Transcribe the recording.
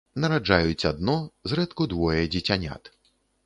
Нараджаюць адно, зрэдку двое дзіцянят.